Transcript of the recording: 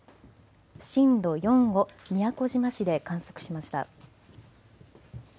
震度４を宮古島市で観測しました。